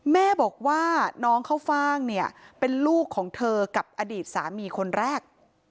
แม่บอกว่าน้องเข้าฟ่างเนี่ยเป็นลูกของเธอกับอดีตสามีคนแรก